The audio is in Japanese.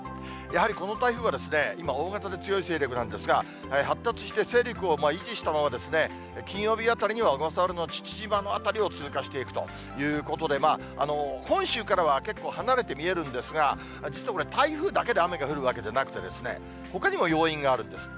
やはりこの台風は今、大型で強い勢力なんですが、発達して勢力を維持したまま、金曜日あたりには小笠原の父島の辺りを通過していくということで、本州からは結構離れて見えるんですが、実はこれ、台風だけで雨が降るわけじゃなくてですね、ほかにも要因があるんです。